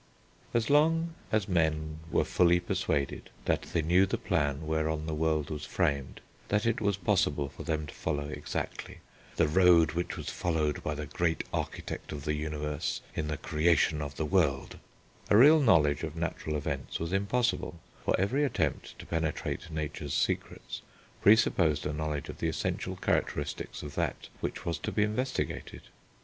As long as men were fully persuaded that they knew the plan whereon the world was framed, that it was possible for them to follow exactly "the road which was followed by the Great Architect of the Universe in the creation of the world," a real knowledge of natural events was impossible; for every attempt to penetrate nature's secrets presupposed a knowledge of the essential characteristics of that which was to be investigated.